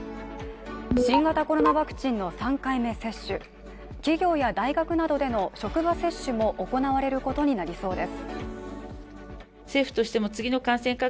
新型コロナワクチンの３回目接種企業や大学などでの職場接種も行われることになりそうです。